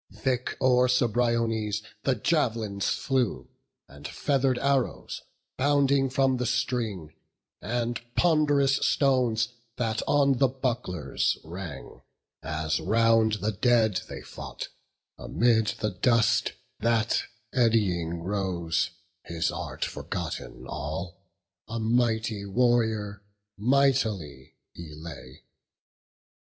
Thick o'er Cebriones the jav'lins flew, And feather'd arrows, bounding from the string; And pond'rous stones that on the bucklers rang, As round the dead they fought; amid the dust That eddying rose, his art forgotten all, A mighty warrior, mightily he lay.